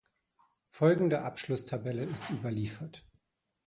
Folgende Abschlusstabelle ist überliefert.